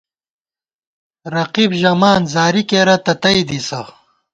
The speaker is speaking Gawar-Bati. رقیب ژَمان زاری کېرہ تہ تئ دِسہ